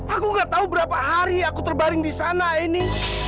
aku gak tahu berapa hari aku terbaring di sana ini